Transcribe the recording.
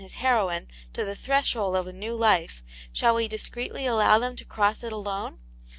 his heroine to the threshold of a new life, shall we discreetly allow 'them to cross it alone?